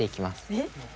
えっ？